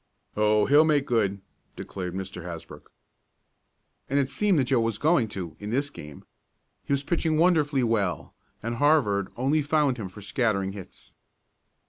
"Oh, he'll make good!" declared Mr. Hasbrook. And it seemed that Joe was going to in this game. He was pitching wonderfully well, and Harvard only found him for scattering hits.